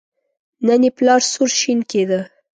نن یې پلار سور شین کېده.